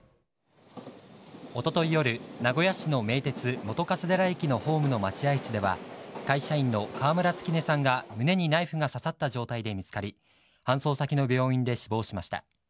おととい夜、名古屋市の名鉄本笠寺駅のホームの待合室では、会社員の川村月音さんが胸にナイフが刺さった状態で見つかり、搬送先の病院で死亡しました。